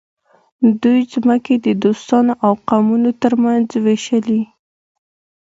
دوی ځمکې د دوستانو او قومونو ترمنځ وویشلې.